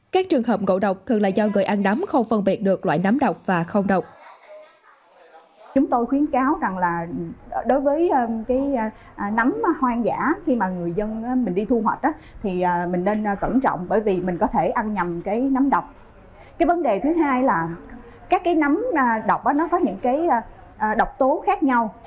các trường hợp ngộ độc thường là do người ăn nắm không phân biệt được loại nắm độc và không độc